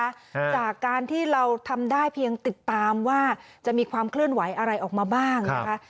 จากการที่เราทำได้เพียงติดตามว่าจะมีความเคลื่อนไหวอะไรออกมาบ้างนะคะ